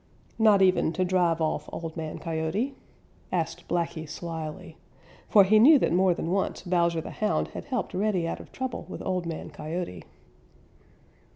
"Not even to drive off Old Man Coyote?" asked Blacky slyly, for he knew that more than once Bowser the Hound had helped Reddy out of trouble with Old Man Coyote.